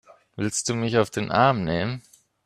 Willst du mich auf den Arm nehmen?